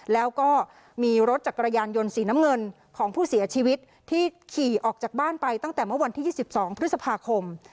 แล้วก็มีรถจักรยานยนต์สีน้ำเงินของผู้เสียชีวิตที่ขี่ออกจากบ้านไปตั้งแต่เมื่อวันที่๒๒พฤษภาคม